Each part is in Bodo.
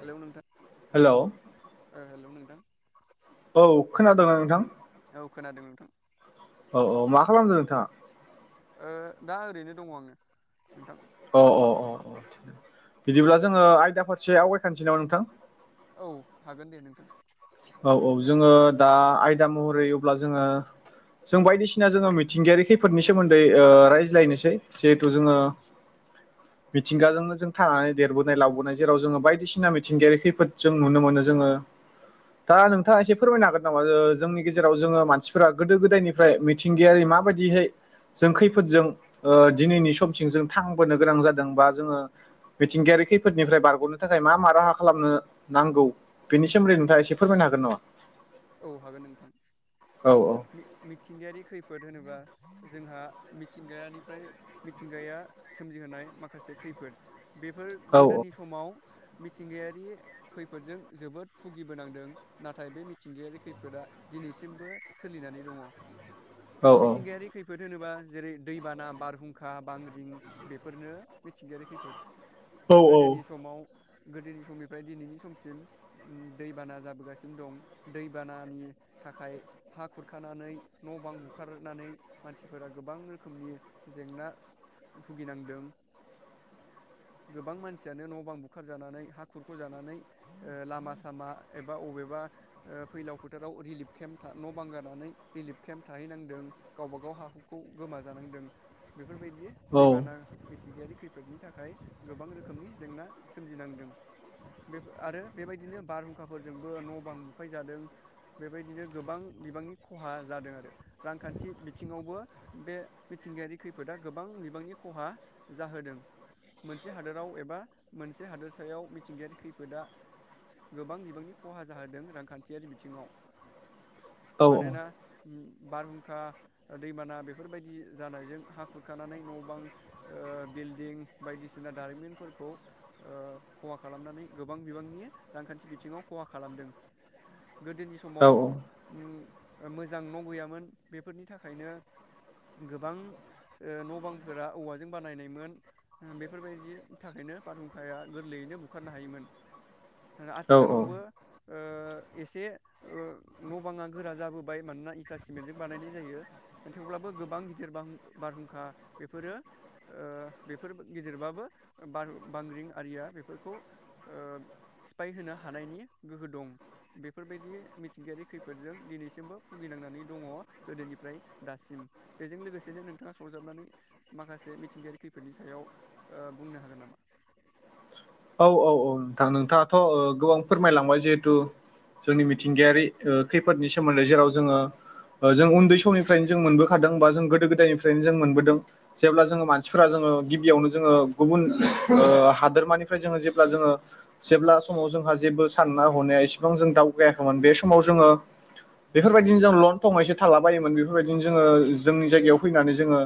हेलौ नोंथां हेलौ ओ हेलौ नोंथां औ खोनादोंना नोंथां औ खोनादों नोंथां औ औ मा खालामदों नोंथाङा? ओ दा ओरैनो दङ' आङो नोंथां। अह अह अह अह बिदिब्ला जोङो आयदा फारसे आवगायलानोसै नामा नोंथां। औ हागोन दे नोंथां। औ औ जोङो दा आयदा महरै अब्ला जोङो जों बायदिसिना जोङो मिथिंगायारि खैफोदनि सोमोन्दै रायज्लायनोसै जिहेथु जोङो मिथिंगाजोंनो जों थानानै देरबोनाय लाबोनाय जेराव जोङो बायदिसिना मिथिंगायारि खैफोद जों नुनो मोनो जोङो। दा नोंथाङा एसे फोरमायनो हागोन नामा जोंनि गेजेराव जोङो मानसिफोरा गोदो गोदायनिफ्राय मिथिंगायारि माबायदिहै जों खैफोदजों ओ दिनैनि समसिम जों थांबोनो गोनां जादों बा जोङो मिथिंगायारि खैफोदनिफ्राय बारग'नो थाखाय मा मा राहा खालामनो नांगौ बेनि सोमोन्दै नोंथाङा एसे फोरमायनो हागोन नामा? औ हागोन नोंथां औ मिथिंगायारि खैफोद होनोबा जोंहा मिथिंगानिफ्राय मिथिंगाया सोमजिहोनाय माखासे खैफोद बेफोर औ गोदोनि समाव मिथिंगायारि खैफोदजों जोबोद भुगिबोनांदों। नाथाय बे मिथिंगायारि खैफोदा दिनैसिमबो सोलिनानै दङ। औ मिथिंगायारि खैफोद। होनोबा जेरै दैबाना, बारहुंखा, बांग्रिं बेफोरनो मिथिंगायारि खैफोद। औ गोदोनि समाव गोदोनि समनिफ्राय दिनैनि समसिम दैबाना जाबो दै बाना नि थाखाय हा खुरखानानोय न'-बां बुखारनानैय मानसिफोरा गोबां रोखोमनि जेंना भुगिनांदों गोबां मानसियानो न'-बां बुखारजानानै हा खुरखाजानानै लामा सामा बा बबेबा फैलाव फोथाराव रिलिफ केम्प न' बांगारनानै रिलिफ केम्प थाहैनांदों गावबा गाव हा हुखौ गोमाजानांदों बेफोरबायदि। बियो औ दैबाना मिथिंगायारि। खैफोदनि थाखाय गोबां रोखोमनि जेंना सोमजिनांदों आरो बेबायदिनो बारहुंखा। फोरजोंबो न' बां बुफाय जादों बेबायदिनो गोबां बिबांनि खहा जादों आरो रांखान्थि बिथिङावबो बे मिथिंगायारि खैफोदा गोबां बिबांनि खहा जाहोदों मोनसे हादोराव एबा मोनसे हादोरसायाव मिथिंगायारि खैफोदा गोबां बिबांनि खहा जाहोदों रांखान्थियारि बिथिङाव औ मानोना बारहुंखा दैबाना बेफोरबायदि जानायजों हा खुरखानानै न' बां बिल्डिं बायदिसिना दारिमिनफोरखौ खहा खालामनानै गोबां बिबांनि रांखान्थि बिथिङाव खहा खालामदों गोदोनि औ समावथ'। मोजां न' गैयामोन बेफोरनि थाखायनो गोबां न' बांफोरा औवाजों बानायनायमोन बेफोरबायदिनि थाखायनो फारहुंखाया गोरलैयैनो बुखारनो हायोमोन। औ औ आथिखालाव ओ एसे न' बाङा गोरा जाबोबाय मानोना इटा सिमेन्टजों बानायनाय जायो थेवब्लाबो गोबां गिदिर बारहुंखा बेफोरो बेफोर गिदिरबाबो बांग्रिं आरिया बेफोरखौ सिफायहोनो हाया। हानायनि गोहो दं बेफोरबायदि मिथिंगायारि खैफोदजों दिनैसिमबो भुगिनांनानै दङ गोदोनिफ्राय दासिम बेजों लोगोसेनो नोंथाङा सरजाबनानै माखासे मिथिंगायारि खैफोदनि सायाव बुंनो हागोन नामा? औ औ औ नोंथां नोंथाङाथ' गोबां फोरमायलांबाय जिहेथु जोंनि मिथिंगायारि खैफोदनि सोमोन्दै जेराव जोङो जों उन्दै समनिफ्रायनो जों मोनबोखादों बा जों गोदो गोदायनिफ्रायनो जों मोनबोदों जेब्ला जोङो मानसिफोरा जोङो गिबियावनो जोङो गुबुन हादोरमानि। फ्राय जोङो जेब्ला जोङो जेब्ला समाव जोंहा जेबो सानना हनाया इसेबां जों दावगायाखैमोन बे समाव जोङो बेफोरबायदिनो जों लन थं थालाबायायोमोन बेफोरबायदिनो जोङो जोंनि जायगायाव फैनानै जोङो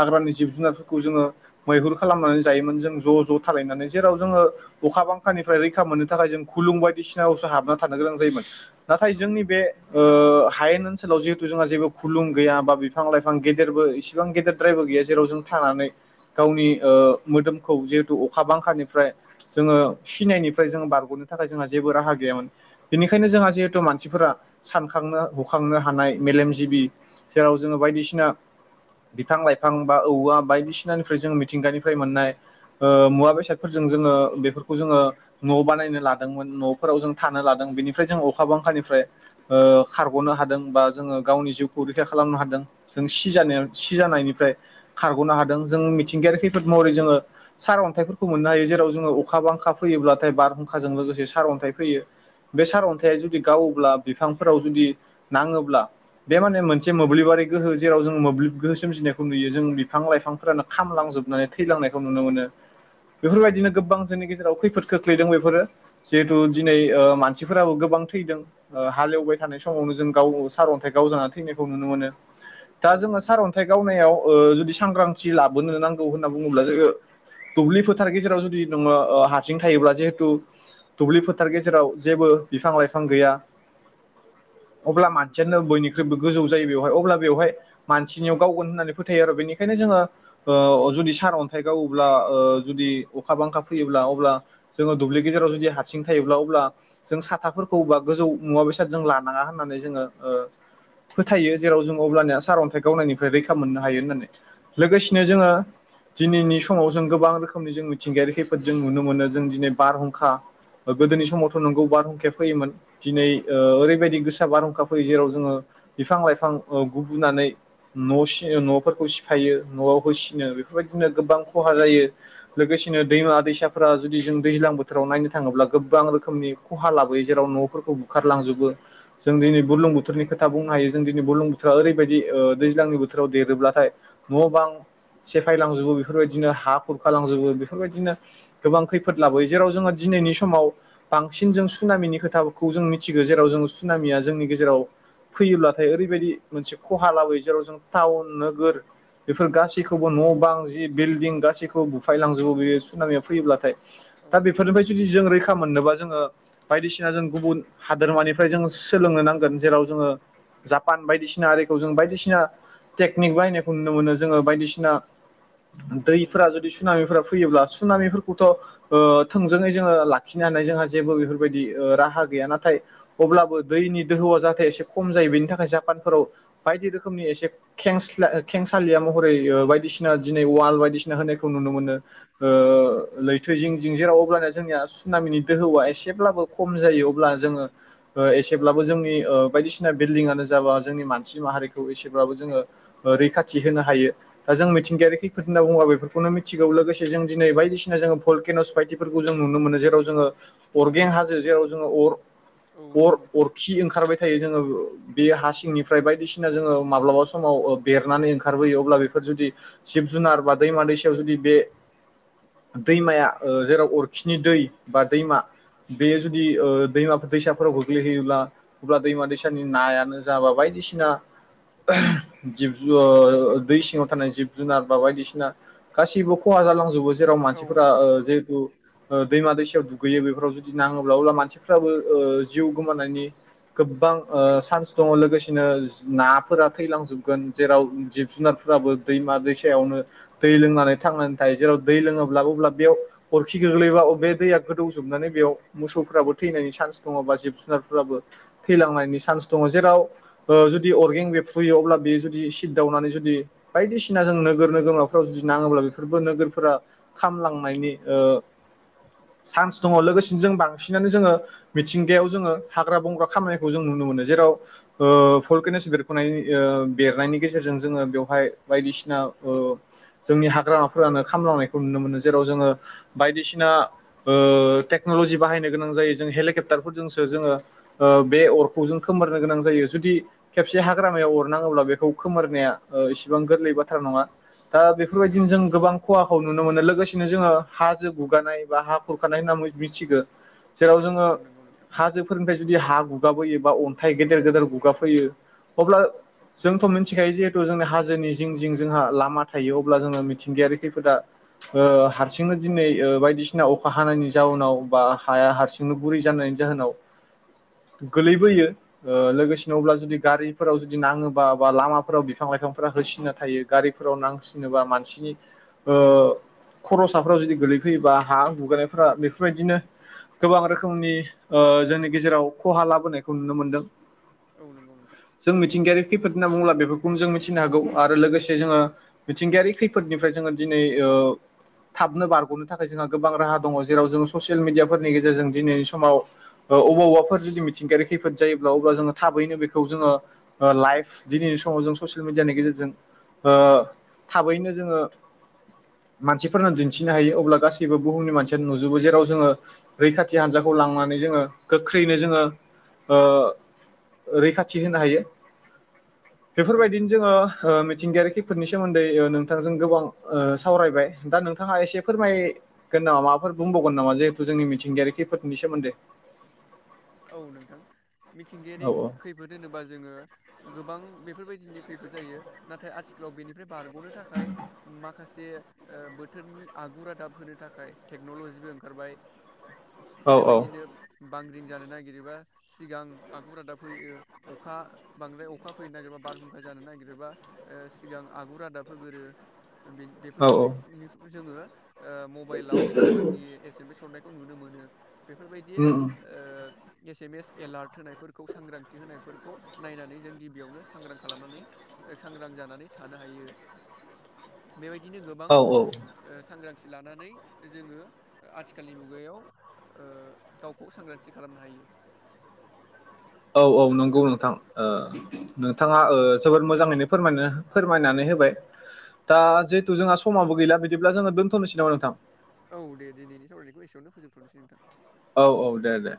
हाग्रानि जिब जुनारफोरखौ जोङो मैहुर खालामनानै जायोमोन जों ज' ज' थालायनानै जेराव जोङो अखा बांखानिफ्राय रैखा मोननो थाखाय जों खुलुं बायदिसिना असो हाबना थानो गोनां जायोमोन। नाथाय औ जोंनि नंगौ बे नोंथां। ओ हायेन ओनसोलाव जिहेथु जोंहा जेबो खुलुं गैया बा बिफां लाइफां गेदेरबो इसिबां गेदेरद्रायबो गैया जेराव जों थानानै गैया गावनि मोदोमखौ जिहेतु अखा बांखानिफ्राय जोङो सिनायनिफ्राय जो बारग'नो थाखाय जोंहा जेबो राहा गैयामोन बेनिखायनो जोंहा जिहेथु मानसिफोरा सानखांनो हुखांनो हानाय मेलेमजिबि जेराव जोङो बायदिसिना बिफां-लाइफां बा औवा बायदिसिनानिफ्राय जों मिथिंगानिफ्राय मोननाय ओ मुवा बेसादफोर जों बेफोरखौ जों न' बानायनो लादोंमोन थानो लादों बेनिफ्राय जों अखा बांखानिफ्राय ओ खारगनो हादों बा जों जिउखौ रैखाथि खालामनो हादों बा सिजानायनिफायखारगनो हा मिथिंगारि खैफोद महरै जों सार अन्थाय फोरखौ मोन्नो हायो। जेराव जोंङो अखा-बांखा फैयोब्लाथाय बारहुंखाजों लोगोसे सारअन्थाय फैयो बे सारअन्थाया जुदि गावोल्बा बिफांफोराव जुदि नाङोल्बा बे माने मोनसे मोल्बिबारि गोहो जेराव जोंङो मोल्बिब गोहो सोमजिनायखौ नुयो जों बिफां-लाइ लाइफांफोरानो नुयो खामलांजोबनानै जों बिफां औ नंगौ नोंथां थैलांनायखौ नुनो मोनो बेफोरबाय दिनो गोबां जोंनि गेजेराव खैफोद खोख्लैदों बेफोरो जिहेथु औ दिनै नंगौ नोंथां। मानसिफोराबो गोबां थैदों ओ हालेवबाय थानाय समावनो जों गाव सारअन्थाइ गाव जानानै थैनायखौ नुनो मोनो दा औ जोङो नंगौ नोंथां। सारअन्थाइ गावनायाव ओ जुदि सांग्रां थि लाबोनो नांगौ होनना बुङोब्ला जोङो दुब्लि फोथार गेजेराव जों जुदि नोङो हारसिं थायोब्ला जिहेथु दुब्लि फोथार गेजेराव जेबो बिफां लाइफां गैया होनना बुङोब्ला जोङो औ अब्ला नंगौ नोंथां। मानसियानो बयनिख्रुइबो गोजौ जायो बेवहाय अब्ला बेवहाय मानसिनियाव गावगोन होननानै फोथायो आरो बेनिखायनो जोङो ओ जुदि सारअन्थाइ गावोब्ला जुदि अ अखा बांखा फैयोब्ला अब्ला जोङो दुब्लि गेजेराव जुदि हारसिं थायोब्ला अब्ला जों साथाफोरखौबा गोजौ मुवा बेसाद जों लानाङा होननानै जोङो ओ फोथायो जेराव जों अब्लानिया सारअन्थाइ गावनायनिफ्राय रैखा मोननो हायो होननानै औ लोगोसेनो जोङो नंगौ नोंथां। दिनैनि समाव जों गोबां रोखोमनि जों मिथिंगायारि खैफोद जों नुनो मोनो जों दिनै बारहुंखा गोदोनि समावथ' नोंगौ बारहुंखाया फैयोमोन दिनै ओरैबायदि गोसा बारहुंखा फैयो जेराव जोङो बिफां लाइफां गुबुनानै न' सि न'फोरखौ सिफायो न'आव होसिनो बेफोरबायदिनो गोबां खहा जायो लोगोसेनो दैमा दैसाफोरा जुदि जों दैज्लां बोथोराव नायनो थाङोब्ला गोबां रोखोमनि खहा लाबोयो जेराव न'फोरखौ बुखारलांजोबो जों दिनै बुरलुंबुथुरनि खोथा बुंनो हायो जों दिनै बुरलुंबुथुरा ओरैबायदि दैज्लांनि बोथोराव देरोब्लाथाय न' बां सेफायलांजोबो बेफोरबायदिनो हा खुरखा लांजोबो। गोबां खैफोद लाबोयो जेराव जोङो दिनैनि समाव बांसिन जों सुनामिनि खोथाखौ जों मिथिगौ जेराव जों सुनामिया जोंनि गेजेराव फैयोब्लाथाय ओरैबायदि मोनसे खहा लाबोयो जेराव जों टाउन नोगोर बेफोर गासैखौबो न' बां जि बिल्डं गासैखौबो बुफायलांजो जौ बेस सुनामियाव फैयोब्लाथाय औ दा नंगौ बेफोरनिफ्राय नोंथां जुदि जों रैखा मोननोबा जोङो बायदिसिना जों गुबुन हादोरमानिफ्राय जों सोलोंनो नांगोन जेराव जोङो जापान बायदिसिना आरिखौ जों बायदिसिना टेकनिक बाहायनायखौ नुनो मोनो जोङो बायदिसिना औ दैफोरा नंगौ जुदि नोंथां सुनामिफोरा अब्ला सुनामिफोरखौथ' ओ थोंजोंङै जोङो लाखिनो हानाय जोंहा जेबो बेफोरबायदि राहा गैया नाथाय अब्लाबो दैनि दोहौआ जाहाथे एसे खम जायो बेनि थाखाय जापानफोराव बायदि रोखोमनि एसे थेंस खेंसालिया महरै बायदिसिना दिनै वाल बायदिसिना होनायखौ नुनो औ मोनो नंगौ नोंथां औ ओ लैथो जिं जिं जे अब्लानिया जोंनाया सुनामिनि दोहौआ एसेब्लाबो खम जायो अब्ला जोंङो एसेब्लाबो जोंनि बायदिसिना बिलडिंआनो जा बा जोंनि मानसि माहारिखौ एसेबाबो जोङो रैखाथि होनो हायो दा जों मिथिंगायारि खैफोद होनना बुङोबा बेफोरखौनो मिथिगौ लोगोसे जों दिनै बायदिसिना जों भलकेन' स्फायथिफोरखो जों नुनो मोनो जेराव जोङो अरगें हाजो जेराव जोङो अर अर नंगौ नोंथां अरखि ओंखारबाय थायो जोङो बे हा सिंनिफ्राय बायदिसिना जोङो माब्लाबा समाव बेरनानै ओंखारबोयो अब्ला बेफोर जुदि जिब जुनार बा दैमा दैसायाव जुदि बे दैमाया ओ जेराव अरखिनि दै बा दैमा बेयो जुदि ओ दैमाफोर दैसाफोराव गोग्लैहैयोब्ला अब्ला दैमा दैसानि नायानो जा बा बायदिसिना जिब जु दै सिङाव थानाय जिब जुनार बा बायदिसिना खासिबो खहा जाल [unintelligible] जेराव औ मानसिफ्रा ओ जेहुथु दुगैयो बेफोराव जुदि नाङोब्ला अब्ला मानसिफ्राबो ओ जिउ गोमानायनि गोबां ओ सान्स दङ लोगोसेनो ना फोरा थैलांजोबगोन जेराव जिब जुनारफोराबो दैमा दैसायावनो दै लोंनानै थांनानै थायोसै जेराव दै लोङोब्लाबो अब्ला बेयाव अरखि गोग्लैबा बे दैया गोदौजोबनानै बेयाव मोसौफोराबो थैनायनि चान्स दङ बा जिब जुनारफोराबो थैलांनायनि चान्स दङ जेराव ओ जुदि अरगें बेरफुयो अब्ला बेयो जुदि सिद दावनानै जुदि बायदिसिना जों नोगोर-नोगोरमाफोराव जुदि नाङोब्ला बेफोरबो नोगोर फोरा खामलांनायनि ओ चान्स दङ लोगोसेनो जों बांसिनानो जोङो मिथिंगायाव जोङो हाग्रा बंग्रा खामनायखौ जों नुनो मोनो जेराव ओ भलकेनस बेरख'नायनि ओ बेरनायनि गेजेरजों जोङो बेवहाय बायदिसिना ओ जोंनि हाग्रामाफोरानो खामब्लाव नायखौ नुनो मोनो जेराव जोङो बायदिसिना ओ थेख्नलजि बाहायनो गोनां जायो। हेलिखेपटार फोरजोंसो ओ जोङो बे अरखौ खोमोरनो गोनां जायो। जुदि खेबसे हा ग्रामायाव अरनाङोब्ला बेखौ खोमोरनाया इसेबां गोरलै बाथ्रा नङा दा बेफोरबायदिनो जों गोबां खहाखौ नुनो मोनो लोगोसेनो जोङो हाजो गुगानाय बा हा खुरखानाय होनना मिथिगो जेराव जोङो नंगौ नोंथां हाजोफोरनिफ्राय जुदि हा गुगाबोयो बा अन्थाइ गेदेर गेदेर गुगाफैयो अब्ला जोंथ' मिथिखायो जिहेथु जोंनि हाजोनि जिं जिं जोंहा लामा थायो अब्ला जोङो मिथिंगायारि खैफोदा ओ हारसिंनो दिनै बायदिसिना अखा हानायनि जाहोनाव बा हाया हारसिंनो गुरै जानायनि जाहोनाव गोलैबोयो ओ लोगोसेनो अब्ला जुदि गारि फोराव जुदि नाङोबा बा लामाफोराव बिफां-लाइफांफोरा होसिनना थायो गारिफोराव नांसिनोबा मानसिनि ओ खर'साफ्राव जुदि गोगलैफैयोबा हा गुगारनायफोरा बेफोरबायदिनो गोबां रोखोमनि ओ जोंनि गेजेराव खहा लाबोनायखौ नुनो मोनदों। औ नंगौ नोंथां औ नंगौ नोंथां औ नंगौ नोंथां जों मिथिंगायारि खैफोद होनना बुङोब्ला बेफोरखौनो जों मिथिनो हागौ आरो लोगोसे जोङो मिथिंगायारि खैफोदनिफ्राय जोङो दिनै ओ थाबनो बारग'नो थाखाय जोंहा गोबां राहा दङ जेराव जों ससियेल मिडियाफोरनि गेजेरजों दिनैनि समाव ओ अबाव अबाफोर जुदि मिथिंगायारि खैफोद जायोब्ला अबब्ला जोङो थाब थाबैनो बेखौ जोङो लाइफ दिनैनि समाव जों ससियेल मिडयानि गेजेरजों जों ओ थाबैनो जोङो मानसिफोरनो दिन्थिनो हायो अब्ला गासैबो बो औ नंगौ बुमनि नोंथां मानसियानी नुजोबो जेराव जोंङी रैखाथि हानजा खौ लांनानै जोङो गोख्रैनो जोङो ओ रैखाथि होनो हायो। औ बेफोरबायदिनो नोंथां जोङो मिथिंगायारि खैफोदनि नि सोमोन्दै नोंथांजों गोबां ओ सावरायबाय दा नोंथाङा एसे फोरमायगोन नामा माबाफोर बुंबावगोन नामा जिहेथु जोंनि मिथिंगायारि खैफोरनि सोमोन्दै? औ नोंथां औ मिथिंगायारि खैफोद होनोबा जोङो गोबां बेफोरबाय दि खैफैद जायो नाथाय आथिखालाव बेनिफ्राय बारग'नो थाखाय माखासे बोथोरनि आगु रादाब होनो थाखाय टेक्न'ल'जिबो ओंखारबाय औ बेबायदिनो बांग्रिं जानो नागिरोबा सिगां आगु रादाब होयो अखा बांद्राय अखा फैनो नागिरबा बारहुंखा जानो नागिरोबा सिगां आगु रादाब होगोरो। औ बेफोरनि जोङो ओ मबाइलाव सरखारनि एस एम एस हरनाय खौ नुनो मोनो। बेफोरबायदि [unintelligible] एस एम एस एलार्ट होनायफोरखौ सांग्रांथि होनायफोरखौ नायनानै जों गिबियावनो सांग्रां खालामनानै ओ सांग्रां जानानै थानो हायो। बेबायदिनो गोबां औ ओ सांग्रां मानसि लानानै जोङो आथिखालनि मुगायाव ओ गावखौ सांग्रांथि थि खालामनो हायो। औ औ नंगौ नोंथां ओ नोंथाङा ओ जोबोर मोजाङैनो फोरायना फोरमायनानै होबाय दा जिहेथु जोंहा समाबो गैला बिदिब्ला जोङो दोन्थ'नोसै नामा नोंथां औ दे दिनैनि सावरायनायखौ एसेयावनो फोजोबथ'नोसै नोंथां। औ औ दे दे